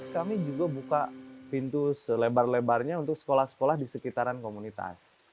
kami juga buka pintu selebar lebarnya untuk sekolah sekolah di sekitaran komunitas